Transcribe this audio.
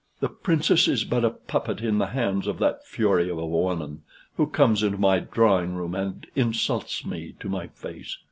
"The Princess is but a puppet in the hands of that fury of a woman, who comes into my drawing room and insults me to my face.